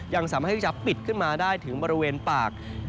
ยังสามารถที่จะปิดขึ้นมาได้ถึงบริเวณปาก